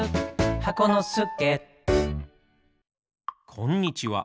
こんにちは。